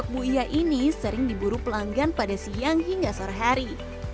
buia ini sering diburu pelanggan pada siang hingga sore hari